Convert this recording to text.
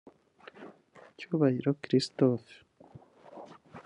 Cyubahiro Christophe